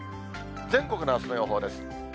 全国のあすの予報です。